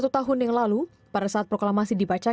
tujuh puluh satu tahun yang lalu pada saat proklamasi dibacakan